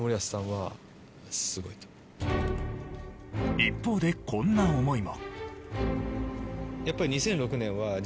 一方でこんな思いも。